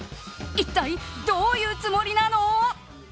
一体どういうつもりなの？